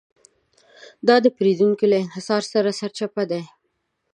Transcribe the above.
دا د پېریدونکو له انحصار سرچپه دی.